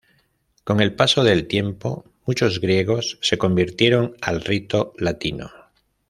Con el paso del tiempo muchos griegos se convirtieron al rito latino.